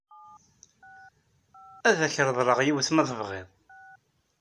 Ad ak-reḍleɣ yiwet ma tebɣiḍ.